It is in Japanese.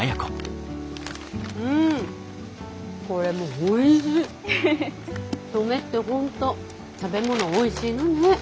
登米って本当食べ物おいしいのねえ。